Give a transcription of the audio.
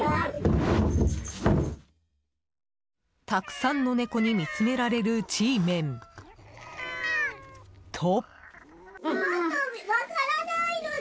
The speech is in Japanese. たくさんの猫に見つめられるＧメンと。